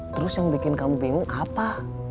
terus yang bikin kamu bingung apa